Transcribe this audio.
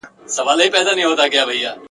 او د اعتیاد پړه یې !.